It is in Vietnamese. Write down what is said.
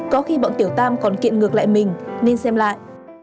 có khi bọn tiểu tam còn kiện ngược lại mình nên xem lại